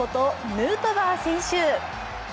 ヌートバー選手。